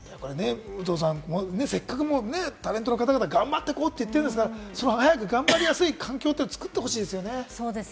武藤さん、せっかくタレントの方々が頑張っていこうって言ってるんですから、早く頑張りやすい環境を作ってほしいですよね。